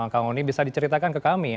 kau ini bisa diceritakan ke kami